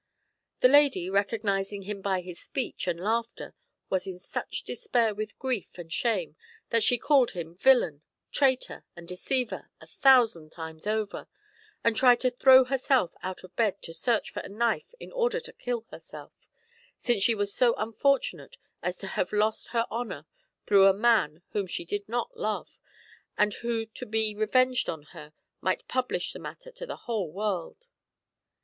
" The lady, recognising him by his speech and laughter, was in such despair with grief and shame, that she called him villain, traitor, and de ceiver a thousand times over, and tried to throw herself out of bed to search for a knife in order to kill herself, since she was so unfortunate as to have lost her honour through a man whom she did not love, and who to be revenged on her might publish the matter to the whole world.